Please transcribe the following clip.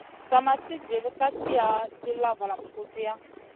Sa ma ci dill ka tiya, dilla valam kusiya.